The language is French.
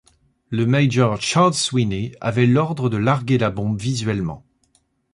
Le Major Charles Sweeney avait l'ordre de larguer la bombe visuellement.